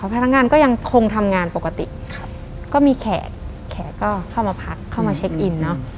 พนักงานก็ยังคงทำงานปกติครับก็มีแขกแขกก็เข้ามาพักเข้ามาเช็คอินเนอะ